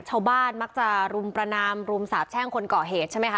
ชาวบ้านมักจะรุมประนามรุมสาบแช่งคนเกาะเหตุใช่ไหมคะ